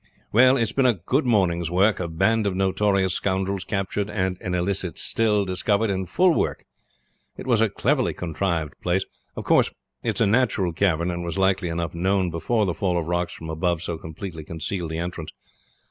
Well, it's been a good morning's work a band of notorious scoundrels captured and an illicit still discovered in full work. It was a cleverly contrived place. Of course it is a natural cavern, and was likely enough known before the fall of rocks from above so completely concealed the entrance.